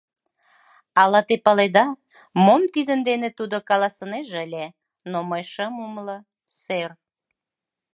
Ала те паледа, мом тидын дене тудо каласынеже ыле, но мый шым умыло, сэр.